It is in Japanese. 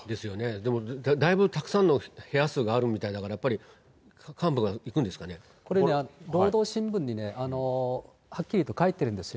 でもだいぶたくさんの部屋数があるみたいだから、やっぱり幹部がこれね、労働新聞にはっきりと書いてるんですよ。